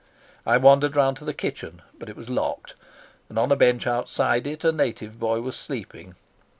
I wandered round to the kitchen, but it was locked, and on a bench outside it a native boy was sleeping.